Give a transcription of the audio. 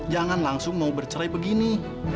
jangan langsung mau bercerai begini